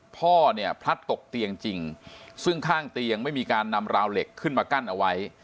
พ่อเนี่ยพลัดตกเตียงจริงซึ่งข้างเตียงไม่มีการนำราวเหล็กขึ้นมากั้นเอาไว้